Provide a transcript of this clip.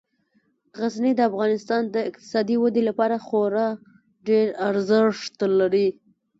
غزني د افغانستان د اقتصادي ودې لپاره خورا ډیر ارزښت لري.